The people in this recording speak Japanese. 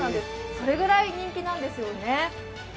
それぐらい人気なんですよね。